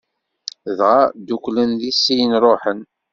Dɣa dduklen di sin, ṛuḥen.